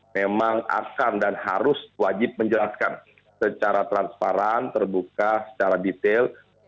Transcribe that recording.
memang akan dan harus wajib menjelaskan secara transparan terbuka secara detail